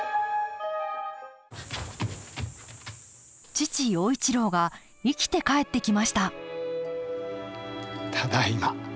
父陽一郎が生きて帰ってきましたただいま。